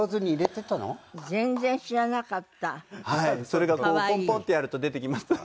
それがポンポンポンってやると出てきました。